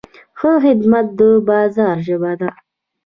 ښه خدمت د بازار ژبه ده.